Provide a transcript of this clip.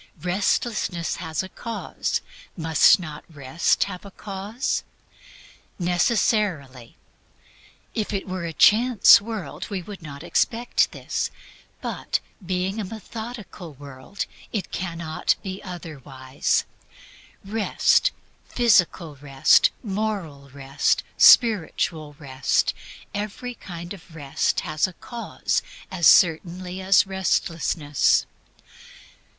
Restlessness has a cause: must not Rest have a cause? Necessarily. If it were a chance world we would not expect this; but, being a methodical world, it cannot be otherwise. Rest, physical rest, moral rest, spiritual rest, every kind of rest has a cause, as certainly as restlessness.